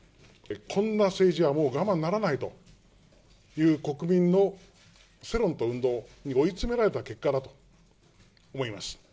こんな政治はもう我慢ならないという国民の世論と運動に追い詰められた結果だと思います。